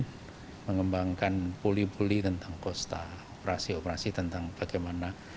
dan mengembangkan puli puli tentang kosta operasi operasi tentang bagaimana